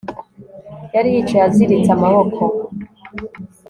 Yari yicaye aziritse amaboko